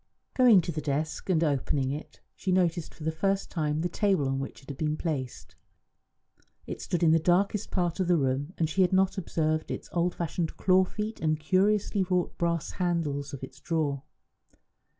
Going to the desk, and opening it, she noticed for the first time the table on which it had been placed. It stood in the darkest part of the room, and she had not observed its old fashioned claw feet and the curiously wrought brass handles of its drawer.